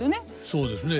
そうですね。